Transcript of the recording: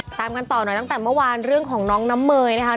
ตามกันต่อหน่อยตั้งแต่เมื่อวานเรื่องของน้องน้ำเมยนะคะ